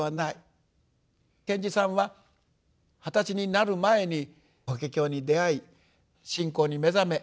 賢治さんは二十歳になる前に法華経に出会い信仰に目覚め